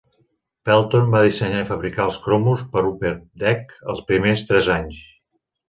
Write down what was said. Pelton va dissenyar i fabricar els cromos per a Upper Deck els primers tres anys.